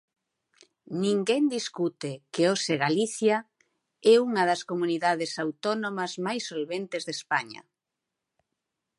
Ninguén discute que hoxe Galicia é unha das comunidades autónomas máis solventes de España.